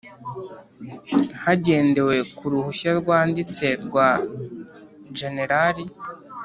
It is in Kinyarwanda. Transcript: Hagendewe ku ruhushya rwanditse rwa generali